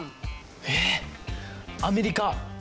えっアメリカ。